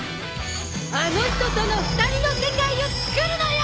あの人との２人の世界をつくるのよ！